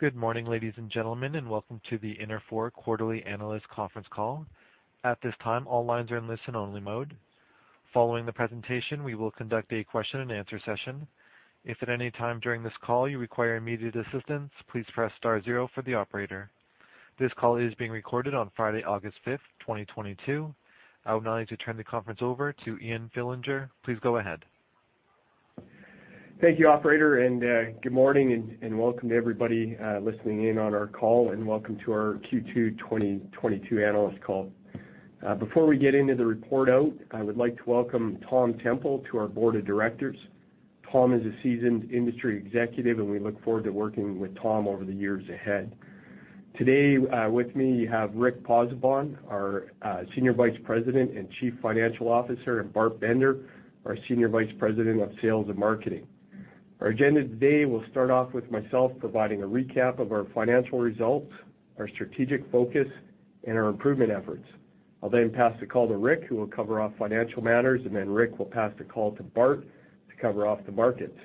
Good morning, ladies and gentlemen, and welcome to the Interfor quarterly analyst conference call. At this time, all lines are in listen-only mode. Following the presentation, we will conduct a question-and-answer session. If at any time during this call you require immediate assistance, please press star zero for the operator. This call is being recorded on Friday, August 5th, 2022. I would now like to turn the conference over to Ian Fillinger. Please go ahead. Thank you operator, good morning and welcome to everybody listening in on our call, and welcome to our Q2 2022 analyst call. Before we get into the report out, I would like to welcome Tom Temple to our board of directors. Tom is a seasoned industry executive, and we look forward to working with Tom over the years ahead. Today, with me you have Rick Pozzebon, our Senior Vice President and Chief Financial Officer, and Bart Bender, our Senior Vice President of Sales and Marketing. Our agenda today will start off with myself providing a recap of our financial results, our strategic focus, and our improvement efforts. I'll then pass the call to Rick, who will cover our financial matters, and then Rick will pass the call to Bart to cover off the markets.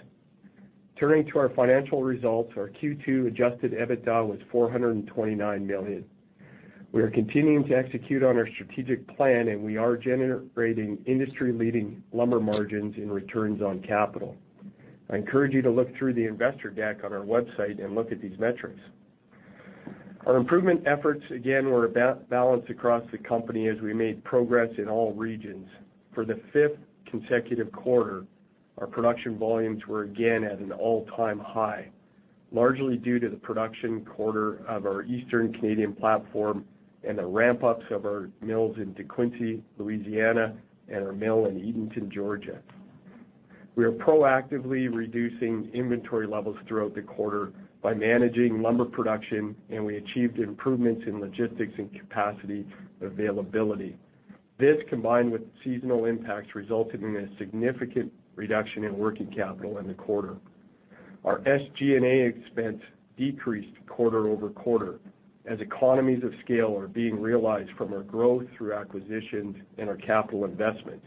Turning to our financial results, our Q2 adjusted EBITDA was 429 million. We are continuing to execute on our strategic plan, and we are generating industry-leading lumber margins and returns on capital. I encourage you to look through the investor deck on our website and look at these metrics. Our improvement efforts, again, were balanced across the company as we made progress in all regions. For the fifth consecutive quarter, our production volumes were again at an all-time high, largely due to the production quarter of our Eastern Canadian platform and the ramp-ups of our mills in DeQuincy, Louisiana, and our mill in Eatonton, Georgia. We are proactively reducing inventory levels throughout the quarter by managing lumber production, and we achieved improvements in logistics and capacity availability. This, combined with seasonal impacts, resulted in a significant reduction in working capital in the quarter. Our SG&A expense decreased quarter-over-quarter as economies of scale are being realized from our growth through acquisitions and our capital investments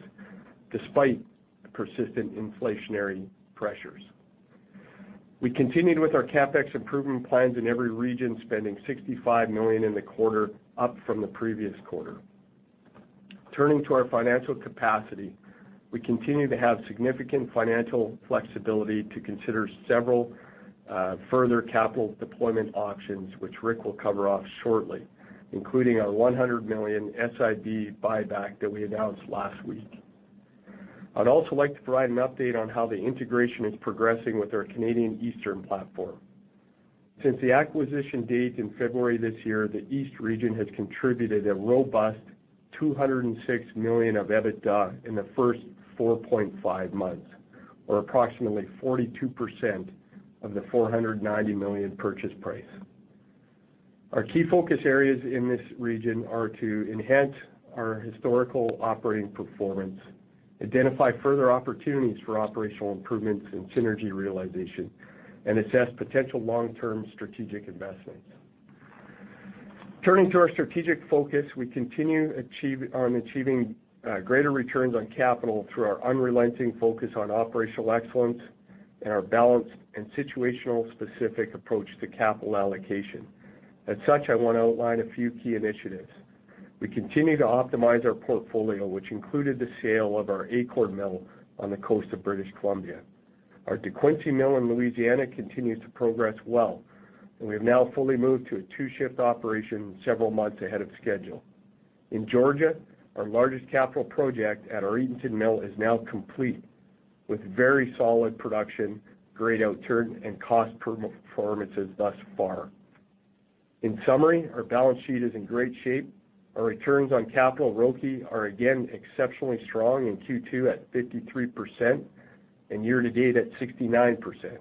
despite persistent inflationary pressures. We continued with our CapEx improvement plans in every region, spending 65 million in the quarter, up from the previous quarter. Turning to our financial capacity, we continue to have significant financial flexibility to consider several further capital deployment options, which Rick will cover off shortly, including our 100 million SIB buyback that we announced last week. I'd also like to provide an update on how the integration is progressing with our Canadian Eastern platform. Since the acquisition date in February this year, the East region has contributed a robust 206 million of EBITDA in the first 4.5 months, or approximately 42% of the 490 million purchase price. Our key focus areas in this region are to enhance our historical operating performance, identify further opportunities for operational improvements and synergy realization, and assess potential long-term strategic investments. Turning to our strategic focus, we continue to achieve greater returns on capital through our unrelenting focus on operational excellence and our balanced and situational specific approach to capital allocation. As such, I wanna outline a few key initiatives. We continue to optimize our portfolio, which included the sale of our Acorn mill on the coast of British Columbia. Our DeQuincy mill in Louisiana continues to progress well, and we have now fully moved to a two-shift operation several months ahead of schedule. In Georgia, our largest capital project at our Eatonton mill is now complete with very solid production, great outturn, and cost performances thus far. In summary, our balance sheet is in great shape. Our returns on capital, ROCE, are again exceptionally strong in Q2 at 53% and year to date at 69%.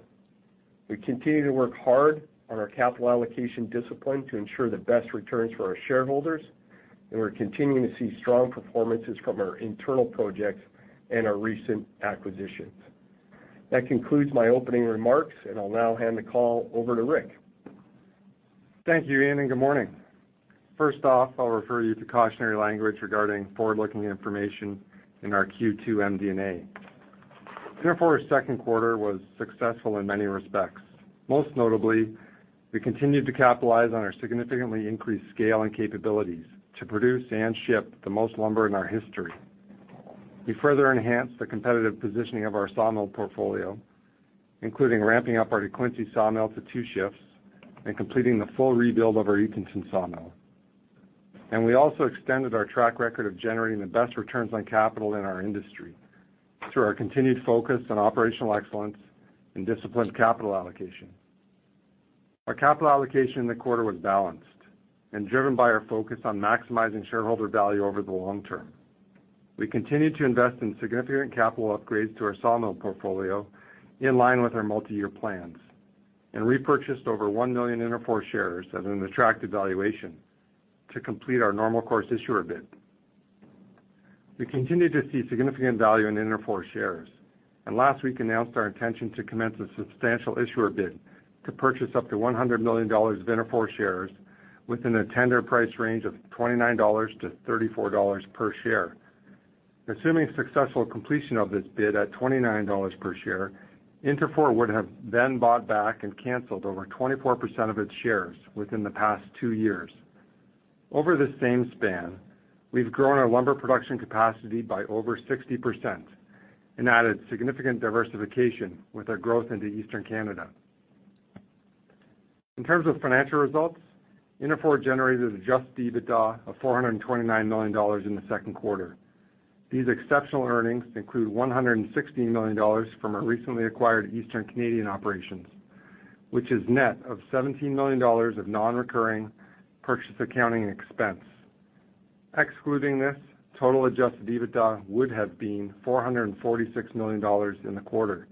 We continue to work hard on our capital allocation discipline to ensure the best returns for our shareholders, and we're continuing to see strong performances from our internal projects and our recent acquisitions. That concludes my opening remarks, and I'll now hand the call over to Rick. Thank you, Ian, and good morning. First off, I'll refer you to cautionary language regarding forward-looking information in our Q2 MD&A. Interfor's second quarter was successful in many respects. Most notably, we continued to capitalize on our significantly increased scale and capabilities to produce and ship the most lumber in our history. We further enhanced the competitive positioning of our sawmill portfolio, including ramping up our DeQuincy sawmill to two shifts and completing the full rebuild of our Eatonton sawmill. We also extended our track record of generating the best returns on capital in our industry through our continued focus on operational excellence and disciplined capital allocation. Our capital allocation in the quarter was balanced and driven by our focus on maximizing shareholder value over the long term. We continued to invest in significant capital upgrades to our sawmill portfolio in line with our multi-year plans and repurchased over 1 million Interfor shares at an attractive valuation to complete our Normal Course Issuer Bid. We continue to see significant value in Interfor shares and last week announced our intention to commence a Substantial Issuer Bid to purchase up to $100 million of Interfor shares within a tender price range of $29-$34 per share. Assuming successful completion of this bid at $29 per share, Interfor would have then bought back and canceled over 24% of its shares within the past two years. Over the same span, we've grown our lumber production capacity by over 60% and added significant diversification with our growth into Eastern Canada. In terms of financial results, Interfor generated adjusted EBITDA of $429 million in the second quarter. These exceptional earnings include 116 million dollars from our recently acquired Eastern Canadian operations, which is net of 17 million dollars of non-recurring purchase accounting expense. Excluding this, total adjusted EBITDA would have been 446 million dollars in the quarter.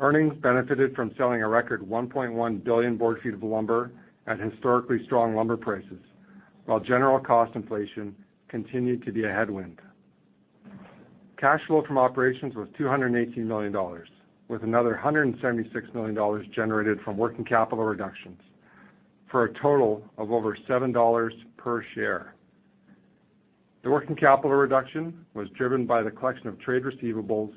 Earnings benefited from selling a record 1.1 billion board feet of lumber at historically strong lumber prices, while general cost inflation continued to be a headwind. Cash flow from operations was 218 million dollars, with another 176 million dollars generated from working capital reductions for a total of over 7 dollars per share. The working capital reduction was driven by the collection of trade receivables,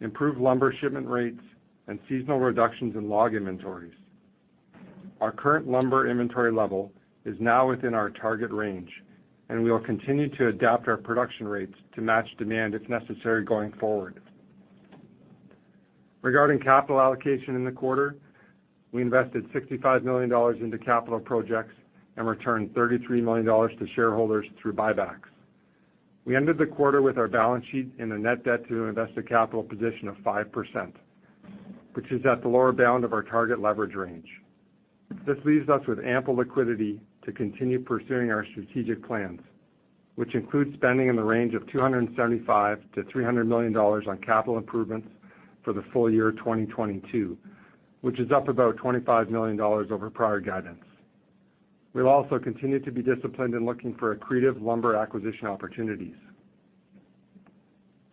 improved lumber shipment rates, and seasonal reductions in log inventories. Our current lumber inventory level is now within our target range, and we will continue to adapt our production rates to match demand if necessary going forward. Regarding capital allocation in the quarter, we invested $65 million into capital projects and returned $33 million to shareholders through buybacks. We ended the quarter with our balance sheet in a net debt to invested capital position of 5%, which is at the lower bound of our target leverage range. This leaves us with ample liquidity to continue pursuing our strategic plans, which include spending in the range of $275 million-$300 million on capital improvements for the full year 2022, which is up about $25 million over prior guidance. We'll also continue to be disciplined in looking for accretive lumber acquisition opportunities.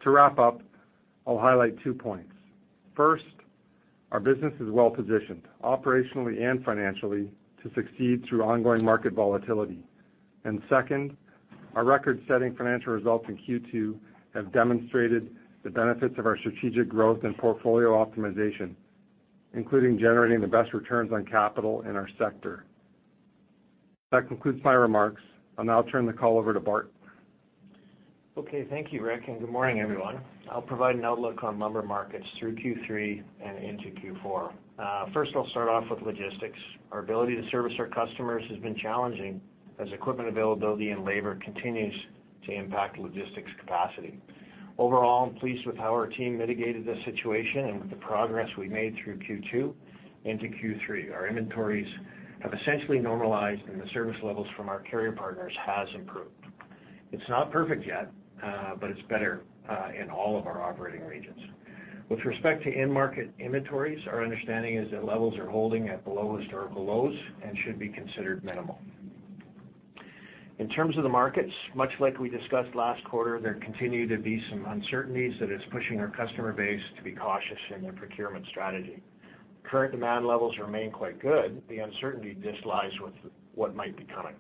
To wrap up, I'll highlight two points. First, our business is well-positioned operationally and financially to succeed through ongoing market volatility. Second, our record-setting financial results in Q2 have demonstrated the benefits of our strategic growth and portfolio optimization, including generating the best returns on capital in our sector. That concludes my remarks. I'll now turn the call over to Bart. Okay. Thank you, Rick, and good morning, everyone. I'll provide an outlook on lumber markets through Q3 and into Q4. First, I'll start off with logistics. Our ability to service our customers has been challenging as equipment availability and labor continues to impact logistics capacity. Overall, I'm pleased with how our team mitigated this situation and with the progress we made through Q2 into Q3. Our inventories have essentially normalized, and the service levels from our carrier partners has improved. It's not perfect yet, but it's better in all of our operating regions. With respect to end market inventories, our understanding is that levels are holding at below historical lows and should be considered minimal. In terms of the markets, much like we discussed last quarter, there continue to be some uncertainties that is pushing our customer base to be cautious in their procurement strategy. Current demand levels remain quite good. The uncertainty just lies with what might be coming.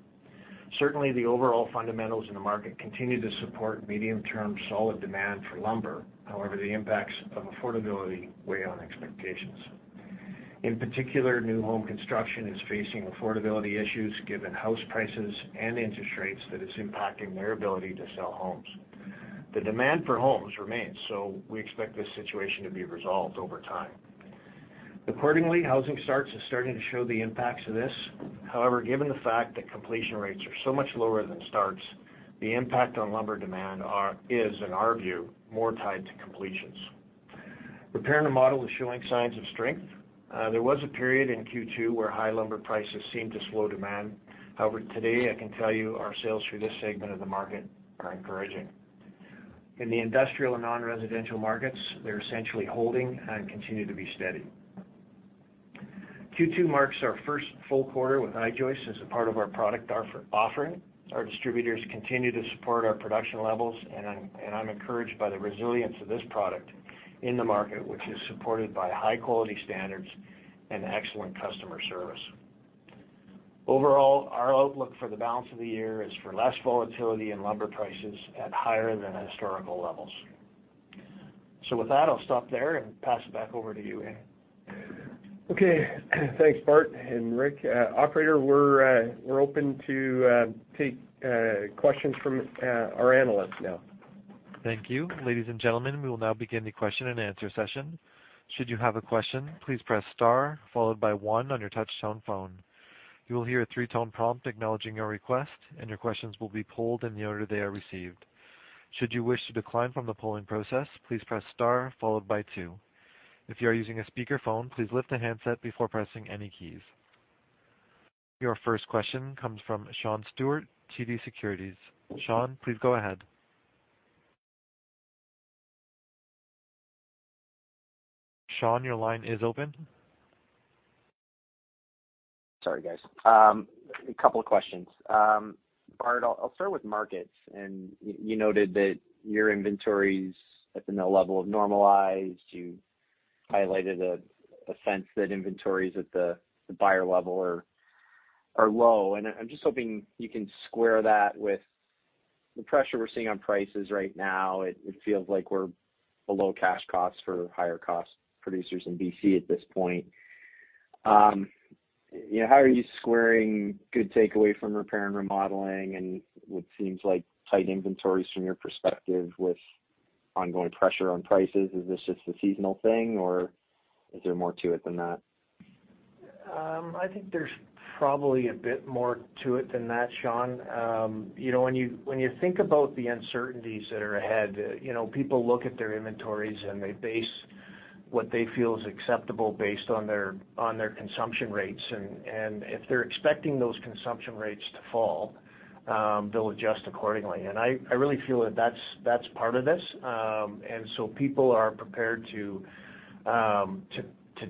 Certainly, the overall fundamentals in the market continue to support medium-term solid demand for lumber. However, the impacts of affordability weigh on expectations. In particular, new home construction is facing affordability issues given house prices and interest rates that is impacting their ability to sell homes. The demand for homes remains, so we expect this situation to be resolved over time. Accordingly, housing starts are starting to show the impacts of this. However, given the fact that completion rates are so much lower than starts, the impact on lumber demand is, in our view, more tied to completions. Repair and remodel is showing signs of strength. There was a period in Q2 where high lumber prices seemed to slow demand. However, today, I can tell you our sales through this segment of the market are encouraging. In the industrial and non-residential markets, they're essentially holding and continue to be steady. Q2 marks our first full quarter with I-Joist as a part of our product offering. Our distributors continue to support our production levels, and I'm encouraged by the resilience of this product in the market, which is supported by high-quality standards and excellent customer service. Overall, our outlook for the balance of the year is for less volatility in lumber prices at higher than historical levels. With that, I'll stop there and pass it back over to you, Ian. Okay. Thanks, Bart and Rick. Operator, we're open to take questions from our analysts now. Thank you. Ladies and gentlemen, we will now begin the question-and-answer session. Should you have a question, please press star followed by one on your touch-tone phone. You will hear a three-tone prompt acknowledging your request, and your questions will be polled in the order they are received. Should you wish to decline from the polling process, please press star followed by two. If you are using a speakerphone, please lift the handset before pressing any keys. Your first question comes from Sean Steuart, TD Securities. Sean, please go ahead. Sean, your line is open. Sorry, guys. A couple of questions. Bart, I'll start with markets. You noted that your inventories have been at a level of normalized. You highlighted a sense that inventories at the buyer level are low. I'm just hoping you can square that with the pressure we're seeing on prices right now. It feels like we're below cash costs for higher cost producers in BC at this point. You know, how are you squaring good takeaway from repair and remodeling and what seems like tight inventories from your perspective with ongoing pressure on prices? Is this just a seasonal thing, or is there more to it than that? I think there's probably a bit more to it than that, Sean. You know, when you think about the uncertainties that are ahead, you know, people look at their inventories, and they base what they feel is acceptable based on their consumption rates. If they're expecting those consumption rates to fall, they'll adjust accordingly. I really feel that that's part of this. People are prepared to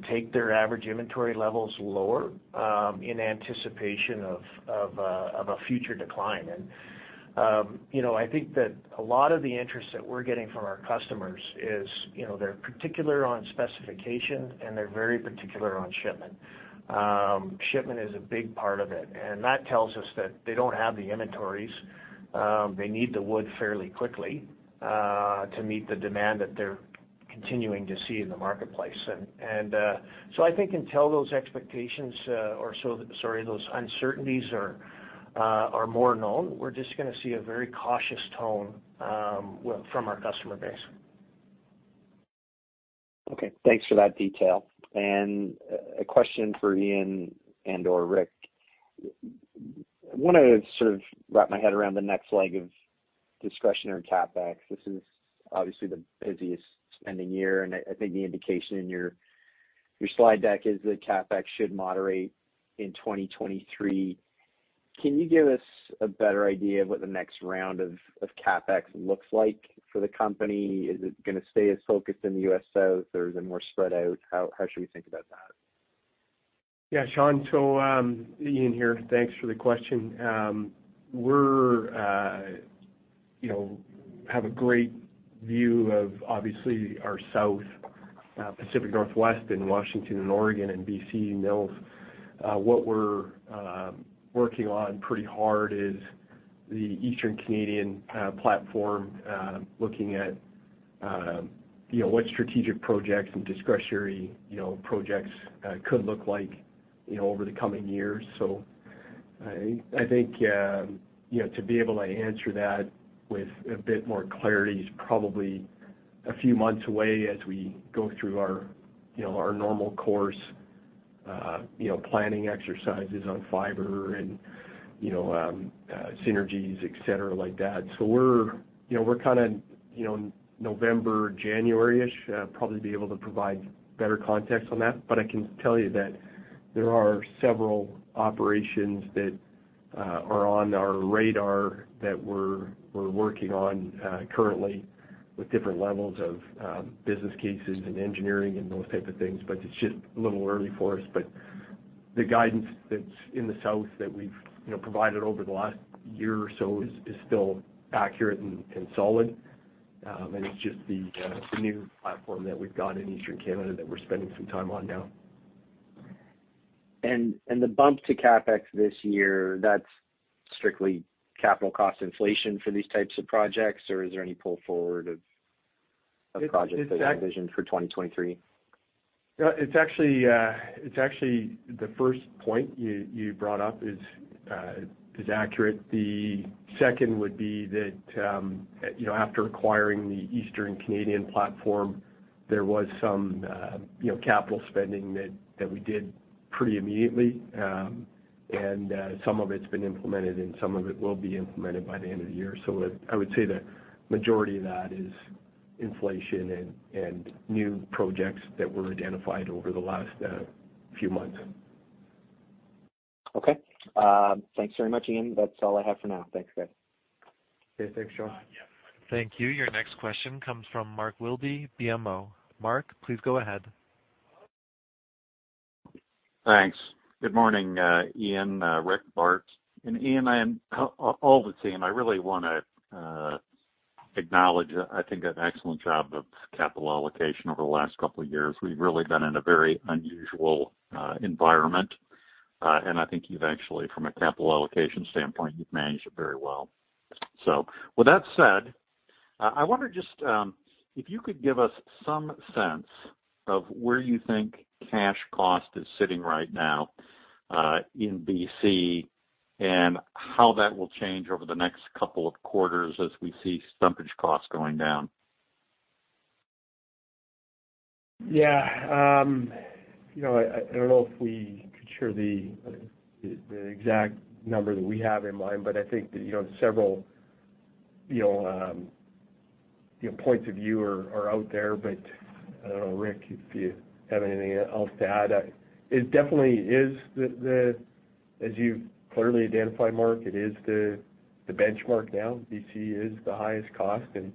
take their average inventory levels lower in anticipation of a future decline. You know, I think that a lot of the interest that we're getting from our customers is, you know, they're particular on specification, and they're very particular on shipment. Shipment is a big part of it, and that tells us that they don't have the inventories. They need the wood fairly quickly to meet the demand that they're continuing to see in the marketplace. I think until those uncertainties are more known, we're just gonna see a very cautious tone from our customer base. Okay, thanks for that detail. A question for Ian and/or Rick. I wanna sort of wrap my head around the next leg of discretionary CapEx. This is obviously the busiest spending year, and I think the indication in your slide deck is that CapEx should moderate in 2023. Can you give us a better idea of what the next round of CapEx looks like for the company? Is it gonna stay as focused in the U.S., so there is a more spread out? How should we think about that? Yeah, Sean, Ian here. Thanks for the question. We're, you know, have a great view of obviously our South, Pacific Northwest in Washington and Oregon and BC mills. What we're working on pretty hard is the Eastern Canadian platform, looking at, you know, what strategic projects and discretionary, you know, projects could look like, you know, over the coming years. I think, you know, to be able to answer that with a bit more clarity is probably a few months away as we go through our, you know, our normal course, you know, planning exercises on fiber and, you know, synergies, et cetera, like that. We're, you know, we're kinda, you know, November, January-ish, probably be able to provide better context on that. I can tell you that there are several operations that are on our radar that we're working on currently with different levels of business cases and engineering and those type of things, but it's just a little early for us. The guidance that's in the South that we've you know provided over the last year or so is still accurate and solid. It's just the new platform that we've got in Eastern Canada that we're spending some time on now. The bump to CapEx this year, that's strictly capital cost inflation for these types of projects, or is there any pull forward of projects that are envisioned for 2023? No, it's actually the first point you brought up is accurate. The second would be that you know, after acquiring the Eastern Canadian platform, there was some you know, capital spending that we did pretty immediately. Some of it's been implemented, and some of it will be implemented by the end of the year. I would say the majority of that is inflation and new projects that were identified over the last few months. Okay. Thanks very much, Ian. That's all I have for now. Thanks, guys. Okay. Thanks, Sean. Thank you. Your next question comes from Mark Wilde, BMO. Mark, please go ahead. Thanks. Good morning, Ian, Rick, Mark. Ian and all the team, I really wanna acknowledge, I think, an excellent job of capital allocation over the last couple of years. We've really been in a very unusual environment, and I think you've actually, from a capital allocation standpoint, managed it very well. With that said, I wonder just if you could give us some sense of where you think cash cost is sitting right now, in BC, and how that will change over the next couple of quarters as we see stumpage costs going down? Yeah. You know, I don't know if we could share the exact number that we have in mind, but I think that, you know, several, you know, you know, points of view are out there. I don't know, Rick, if you have anything else to add. It definitely is, as you've clearly identified, Mark, it is the benchmark now. BC is the highest cost, and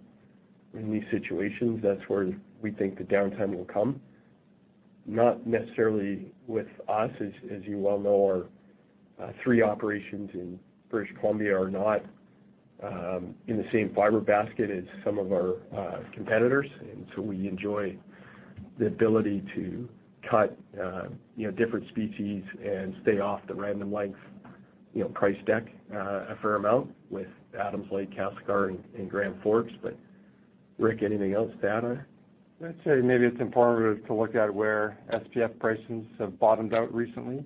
in these situations, that's where we think the downtime will come. Not necessarily with us, as you well know, our three operations in British Columbia are not in the same fiber basket as some of our competitors. We enjoy the ability to cut, you know, different species and stay off the random length, you know, price deck, a fair amount with Adams Lake, Castlegar and Grand Forks. Rick, anything else to add on? I'd say maybe it's important to look at where SPF pricings have bottomed out recently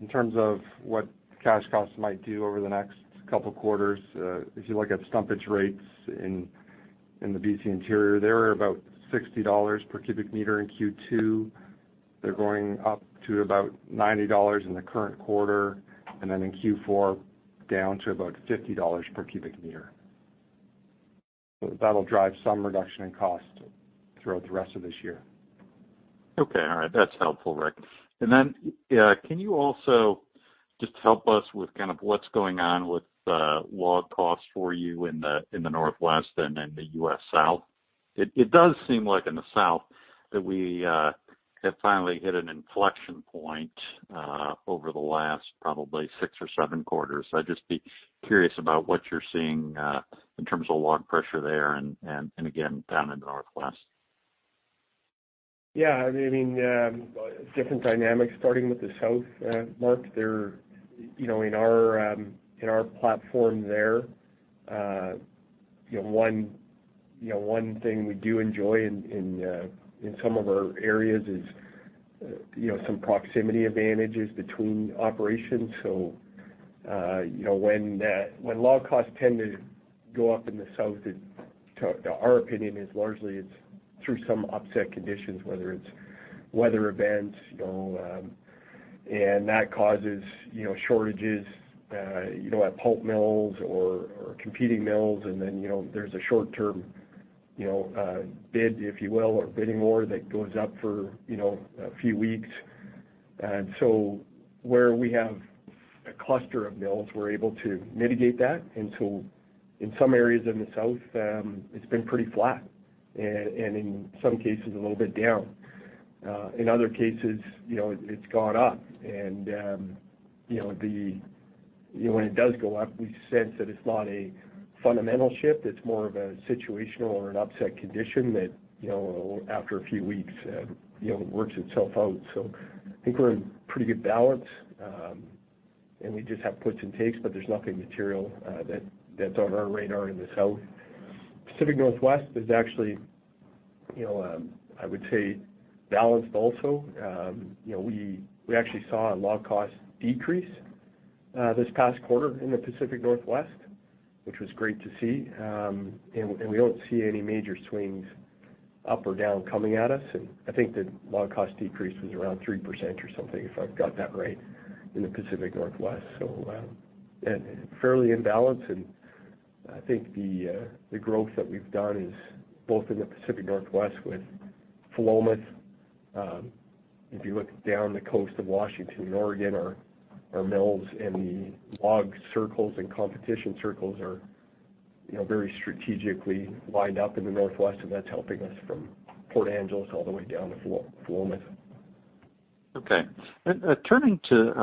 in terms of what cash costs might do over the next couple quarters. If you look at stumpage rates in the BC interior, they were about 60 dollars per cubic meter in Q2. They're going up to about 90 dollars in the current quarter, and then in Q4, down to about 50 dollars per cubic meter. That'll drive some reduction in cost throughout the rest of this year. Okay. All right. That's helpful, Rick. Then, can you also just help us with kind of what's going on with log costs for you in the Northwest and in the U.S. South? It does seem like in the South that we have finally hit an inflection point over the last probably six or seven quarters. I'd just be curious about what you're seeing in terms of log pressure there and again down in the Northwest? Yeah, I mean, different dynamics starting with the South, Mark. There, you know, in our platform there, you know, one thing we do enjoy in some of our areas is, you know, some proximity advantages between operations. So, you know, when log costs tend to go up in the South, so our opinion is largely it's through some upset conditions, whether it's weather events, you know, and that causes, you know, shortages, you know, at pulp mills or competing mills. Then, you know, there's a short-term, you know, bid, if you will, or bidding war that goes up for, you know, a few weeks. Where we have a cluster of mills, we're able to mitigate that. In some areas in the South, it's been pretty flat, and in some cases, a little bit down. In other cases, you know, it's gone up. You know, when it does go up, we sense that it's not a fundamental shift, it's more of a situational or an upset condition that, you know, after a few weeks, you know, works itself out. I think we're in pretty good balance, and we just have puts and takes, but there's nothing material, that's on our radar in the South. Pacific Northwest is actually, you know, I would say balanced also. You know, we actually saw a log cost decrease, this past quarter in the Pacific Northwest, which was great to see. We don't see any major swings up or down coming at us. I think the log cost decrease was around 3% or something, if I've got that right, in the Pacific Northwest. Fairly in balance. I think the growth that we've done is both in the Pacific Northwest with Philomath. If you look down the coast of Washington and Oregon, our mills and the log circles and competition circles are, you know, very strategically lined up in the Northwest, and that's helping us from Port Angeles all the way down to Philomath. Okay. Turning to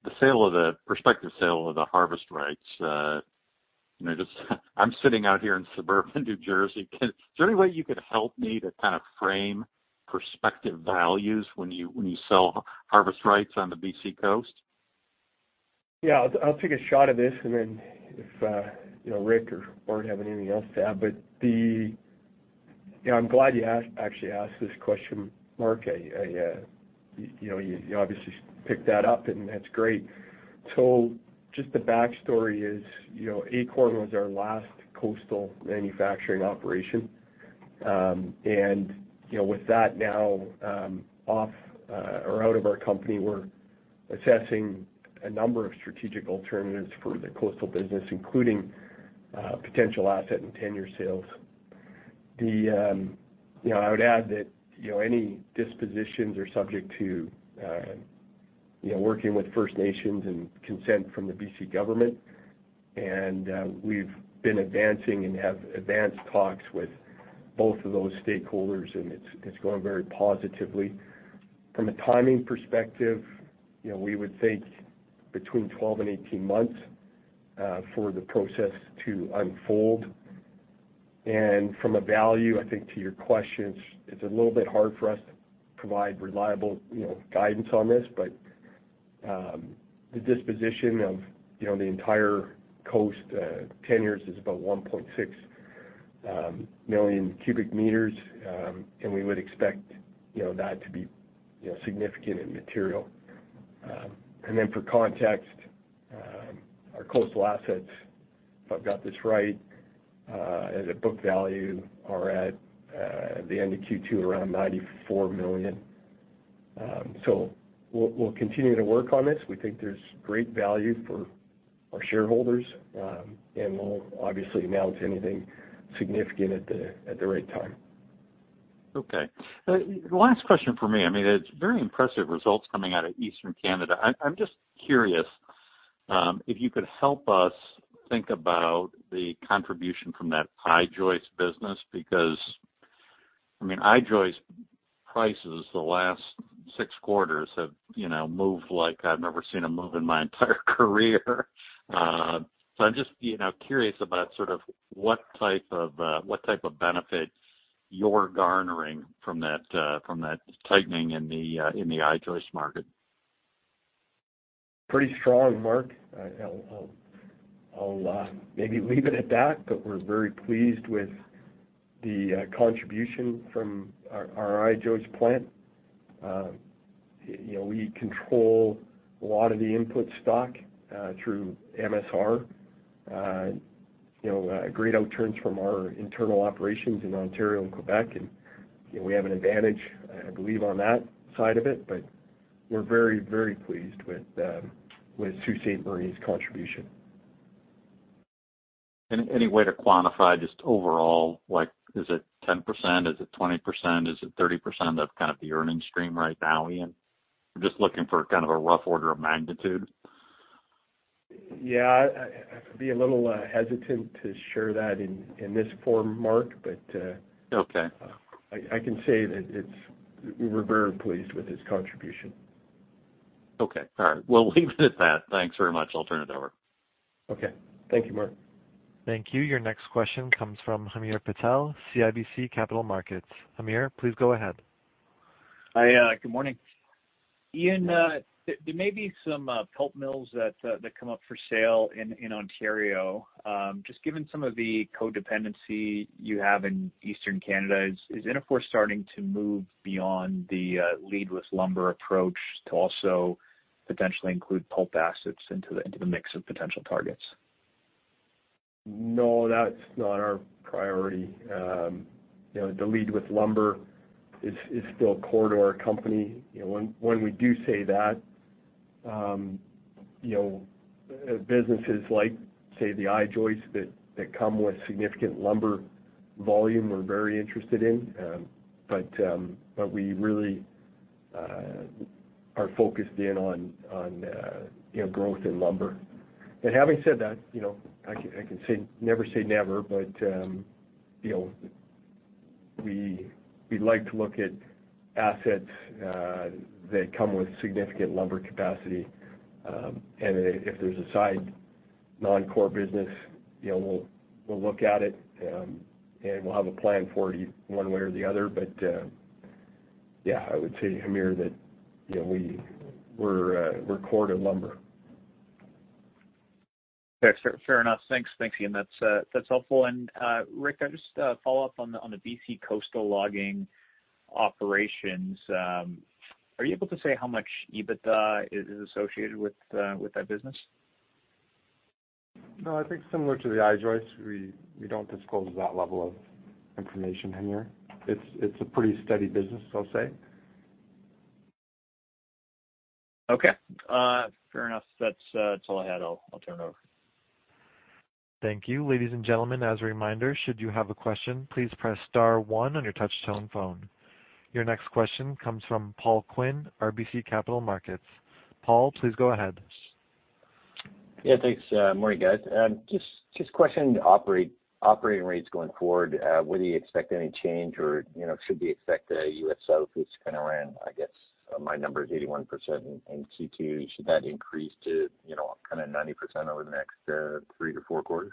the prospective sale of the harvest rights, you know, just I'm sitting out here in suburban New Jersey. Is there any way you could help me to kind of frame prospective values when you sell harvest rights on the BC coast? Yeah. I'll take a shot at this and then if you know, Rick or Bart have anything else to add. You know, I'm glad you actually asked this question, Mark. I you know, you obviously picked that up, and that's great. Just the backstory is, you know, Acorn was our last coastal manufacturing operation. You know, with that now off or out of our company, we're assessing a number of strategic alternatives for the coastal business, including potential asset and tenure sales. You know, I would add that, you know, any dispositions are subject to you know, working with First Nations and consent from the BC government. We've been advancing and have advanced talks with both of those stakeholders, and it's going very positively. From a timing perspective, you know, we would think between 12 and 18 months for the process to unfold. From a value, I think to your question, it's a little bit hard for us to provide reliable, you know, guidance on this, but the disposition of, you know, the entire Coast tenures is about 1.6 million cubic meters, and we would expect, you know, that to be, you know, significant and material. For context, our coastal assets, if I've got this right, as a book value, are at the end of Q2, around 94 million. So we'll continue to work on this. We think there's great value for our shareholders, and we'll obviously announce anything significant at the right time. Okay. Last question for me. I mean, it's very impressive results coming out of Eastern Canada. I'm just curious if you could help us think about the contribution from that I-Joist business. I mean, I-Joist prices the last six quarters have you know moved like I've never seen them move in my entire career. I'm just you know curious about sort of what type of benefit you're garnering from that tightening in the I-Joist market? Pretty strong, Mark. I'll maybe leave it at that, but we're very pleased with the contribution from our I-Joist plant. You know, we control a lot of the input stock through MSR. You know, great outturns from our internal operations in Ontario and Quebec, and you know, we have an advantage, I believe, on that side of it. But we're very, very pleased with Sault Ste. Marie's contribution. Any way to quantify just overall, like, is it 10%, is it 20%, is it 30% of kind of the earnings stream right now, Ian? I'm just looking for kind of a rough order of magnitude. Yeah. I'd be a little hesitant to share that in this forum, Mark, but. Okay I can say that we're very pleased with its contribution. Okay. All right. We'll leave it at that. Thanks very much. I'll turn it over. Okay. Thank you, Mark. Thank you. Your next question comes from Hamir Patel, CIBC Capital Markets. Hamir, please go ahead. Hi, good morning. Hi. Ian, there may be some pulp mills that come up for sale in Ontario. Just given some of the codependency you have in Eastern Canada, is Interfor starting to move beyond the lead with lumber approach to also potentially include pulp assets into the mix of potential targets? No, that's not our priority. You know, the lead with lumber is still core to our company. You know, when we do say that, you know, businesses like, say, the I-Joist that come with significant lumber volume, we're very interested in. But we really are focused in on, you know, growth in lumber. Having said that, you know, I can say, never say never, but, you know, we'd like to look at assets that come with significant lumber capacity. If there's a side non-core business, you know, we'll look at it, and we'll have a plan for it one way or the other. Yeah, I would say, Hamir, that, you know, we're core to lumber. Okay. Fair enough. Thanks, Ian. That's helpful. Rick, I just follow up on the BC coastal logging operations. Are you able to say how much EBITDA is associated with that business? No, I think similar to the I-Joist, we don't disclose that level of information in here. It's a pretty steady business, I'll say. Okay. Fair enough. That's all I had. I'll turn it over. Thank you. Ladies and gentlemen, as a reminder, should you have a question, please press star one on your touch-tone phone. Your next question comes from Paul Quinn, RBC Capital Markets. Paul, please go ahead. Yeah, thanks. Morning, guys. Just questioning the operating rates going forward. Whether you expect any change or, you know, should we expect the U.S. South, it's kind of around, I guess, my number is 81% in Q2. Should that increase to, you know, kind of 90% over the next three to four quarters?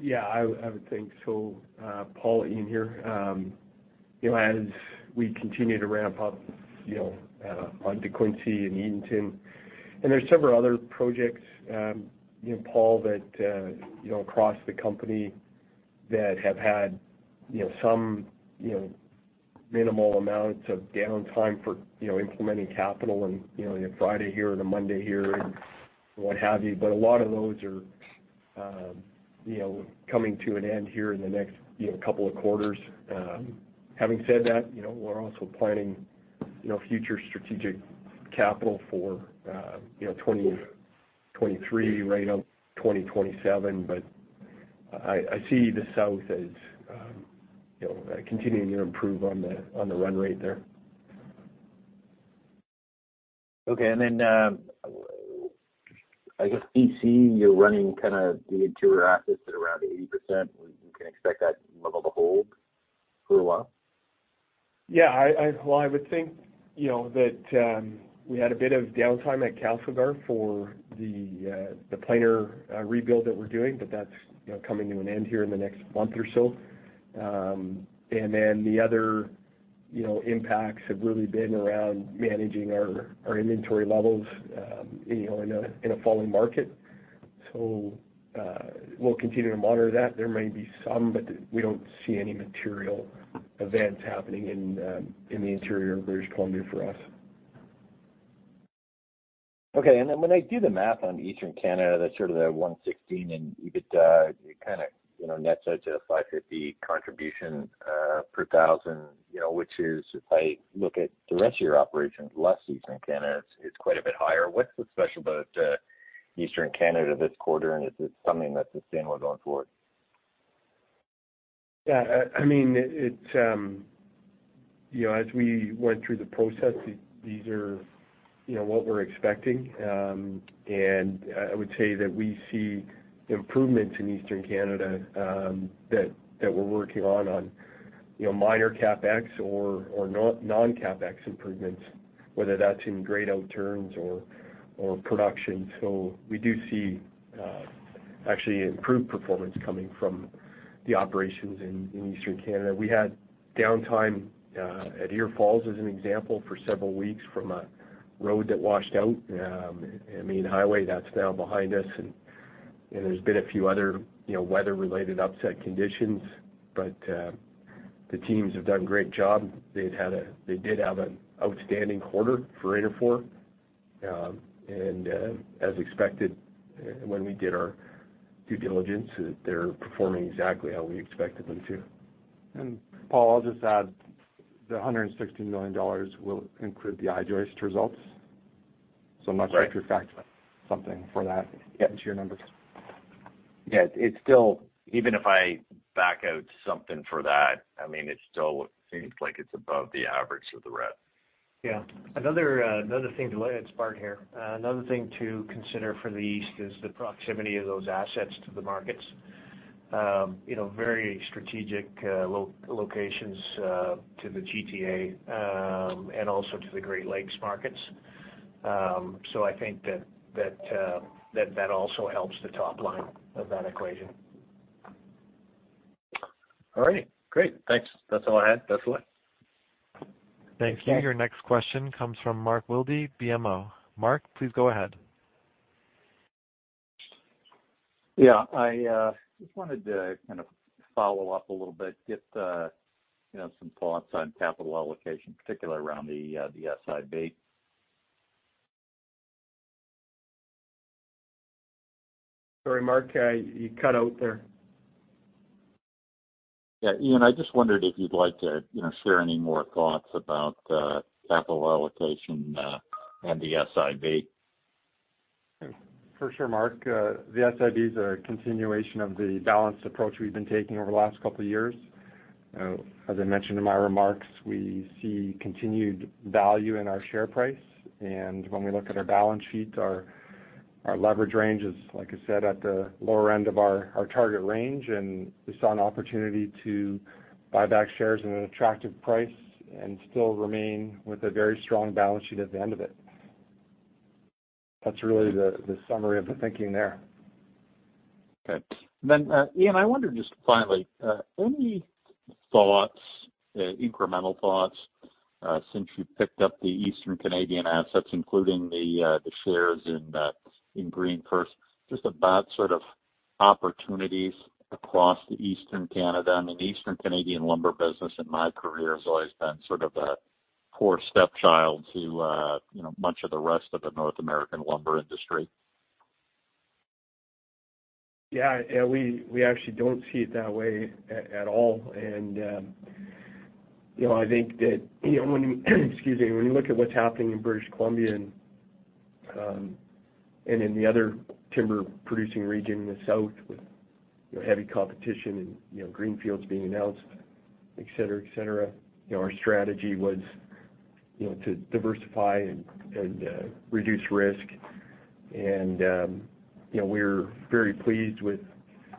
Yeah, I would think so. Paul, Ian here. You know, as we continue to ramp up, you know, on DeQuincy and Eatonton, and there's several other projects, you know, Paul, that, you know, across the company that have had, you know, some, you know, minimal amounts of downtime for, you know, implementing capital and, you know, and a Friday here and a Monday here and what have you. A lot of those are, you know, coming to an end here in the next, you know, couple of quarters. Having said that, you know, we're also planning, you know, future strategic capital for, you know, 2023 right up to 2027. I see the South as, you know, continuing to improve on the run rate there. Okay. I guess BC, you're running kind of the interior assets at around 80%. We can expect that level to hold for a while? Yeah, well, I would think, you know, that we had a bit of downtime at Castlegar for the planer rebuild that we're doing, but that's, you know, coming to an end here in the next month or so. The other, you know, impacts have really been around managing our inventory levels, you know, in a falling market. We'll continue to monitor that. There may be some, but we don't see any material events happening in the interior of British Columbia for us. Okay. When I do the math on Eastern Canada, that's sort of the 116 in EBITDA, it kind of, you know, nets out to a 550 contribution per thousand. You know, which is if I look at the rest of your operations, less Eastern Canada, it's quite a bit higher. What's so special about Eastern Canada this quarter? Is it something that's sustainable going forward? I mean, you know, as we went through the process, these are, you know, what we're expecting. I would say that we see improvements in Eastern Canada, that we're working on, you know, minor CapEx or non-CapEx improvements, whether that's in grade outturns or production. We do see actually improved performance coming from the operations in Eastern Canada. We had downtime at Ear Falls, as an example, for several weeks from a road that washed out a main highway. That's now behind us and there's been a few other, you know, weather-related upset conditions. The teams have done a great job. They did have an outstanding quarter for Interfor. As expected when we did our due diligence, they're performing exactly how we expected them to. Paul, I'll just add the $160 million will include the I-Joist results. Right. I'm not sure if you've factored something for that into your numbers. Yeah. It's still Even if I back out something for that, I mean, it still seems like it's above the average of the rest. It's Bart here. Another thing to consider for the East is the proximity of those assets to the markets. You know, very strategic locations to the GTA, and also to the Great Lakes markets. So I think that also helps the top line of that equation. All right. Great. Thanks. That's all I had. Thank you. Your next question comes from Mark Wilde, BMO. Mark, please go ahead. Yeah, I just wanted to kind of follow up a little bit, get, you know, some thoughts on capital allocation, particularly around the SIB. Sorry, Mark, you cut out there. Yeah. Ian, I just wondered if you'd like to, you know, share any more thoughts about capital allocation and the SIB? For sure, Mark. The SIB is a continuation of the balanced approach we've been taking over the last couple of years. As I mentioned in my remarks, we see continued value in our share price. When we look at our balance sheet, our leverage range is, like I said, at the lower end of our target range, and we saw an opportunity to buy back shares at an attractive price and still remain with a very strong balance sheet at the end of it. That's really the summary of the thinking there. Ian, I wonder just finally any thoughts, incremental thoughts, since you picked up the Eastern Canadian assets, including the shares in GreenFirst, just about sort of opportunities across the Eastern Canada? I mean, Eastern Canadian lumber business in my career has always been sort of the poor stepchild to you know much of the rest of the North American lumber industry. We actually don't see it that way at all. You know, I think that you know, when you look at what's happening in British Columbia and in the other timber producing region in the South with you know, heavy competition and you know, greenfields being announced, et cetera, you know, our strategy was you know, to diversify and reduce risk. You know, we're very pleased with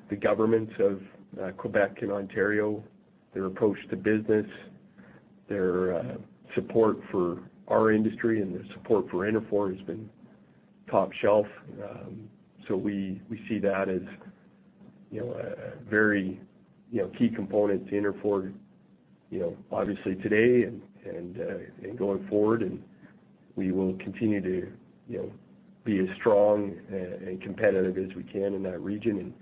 the governments of Quebec and Ontario, their approach to business, their support for our industry and their support for Interfor has been top shelf. We see that as you know, a very you know, key component to Interfor, you know, obviously today and going forward. We will continue to, you know, be as strong and competitive as we can in that region and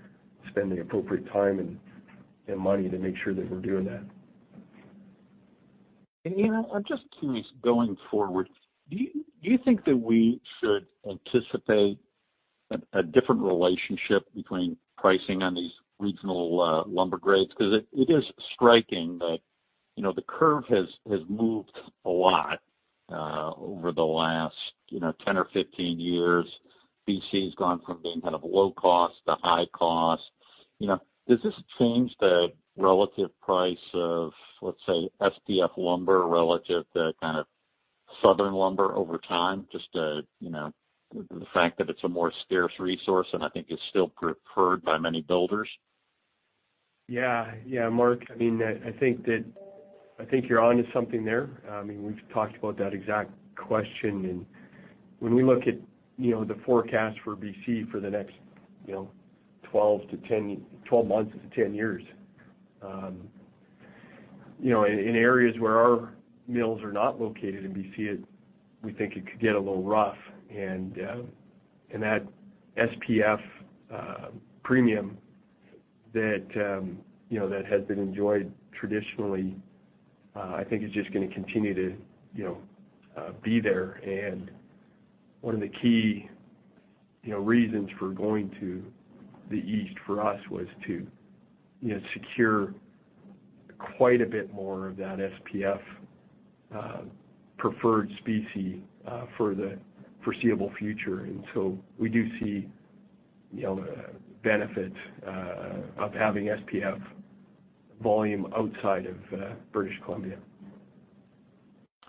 spend the appropriate time and money to make sure that we're doing that. Ian, I'm just curious, going forward, do you think that we should anticipate a different relationship between pricing on these regional lumber grades? Because it is striking that, you know, the curve has moved a lot over the last, you know, 10 or 15 years. BC's gone from being kind of low cost to high cost. You know, does this change the relative price of, let's say, SPF lumber relative to kind of Southern lumber over time, just you know, the fact that it's a more scarce resource and I think it's still preferred by many builders? Mark, I mean, I think that I think you're onto something there. I mean, we've talked about that exact question. When we look at, you know, the forecast for BC for the next, you know, 12 months to 10 years, in areas where our mills are not located in BC, we think it could get a little rough. That SPF premium that, you know, that has been enjoyed traditionally, I think is just gonna continue to, you know, be there. One of the key, you know, reasons for going to the East for us was to, you know, secure quite a bit more of that SPF preferred species for the foreseeable future. We do see, you know, benefits of having SPF volume outside of British Columbia.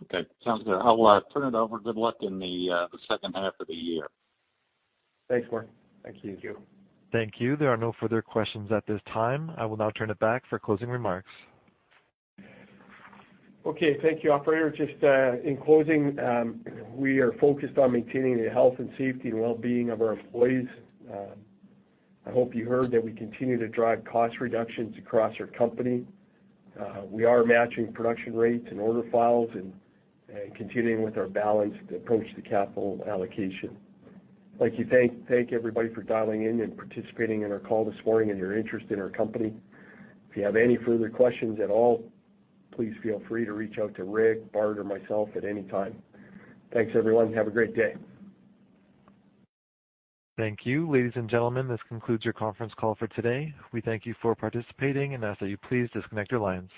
Okay. Sounds good. I will turn it over. Good luck in the second half of the year. Thanks, Mark. Thank you. Thank you. Thank you. There are no further questions at this time. I will now turn it back for closing remarks. Okay. Thank you, operator. Just in closing, we are focused on maintaining the health and safety and well-being of our employees. I hope you heard that we continue to drive cost reductions across our company. We are matching production rates and order files and continuing with our balanced approach to capital allocation. Like to thank everybody for dialing in and participating in our call this morning and your interest in our company. If you have any further questions at all, please feel free to reach out to Rick, Bart, or myself at any time. Thanks, everyone. Have a great day. Thank you. Ladies and gentlemen, this concludes your conference call for today. We thank you for participating and ask that you please disconnect your lines.